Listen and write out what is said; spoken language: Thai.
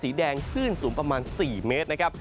สีแดงคลื่นสูงประมาณ๔เมตรนะครับ